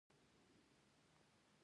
د پوهنتون ژوند د ابتکار فرصت برابروي.